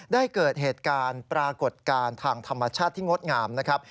เกิดเหตุการณ์ปรากฏการณ์ทางธรรมชาติที่งดงามนะครับ